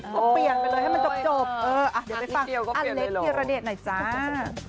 ก็เปลี่ยนไปเลยให้มันจบเอออ่ะฟังอเล็กท์ที่ระเด็ดหน่อยจ้า